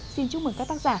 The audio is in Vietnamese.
xin chúc mừng các tác giả